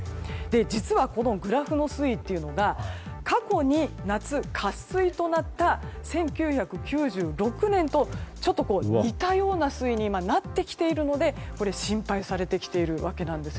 実は、このグラフの水位は過去に夏、渇水となった１９９６年とちょっと似たような水位に今なってきているので心配されてきているわけです。